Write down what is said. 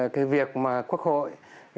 cái việc mà quốc hội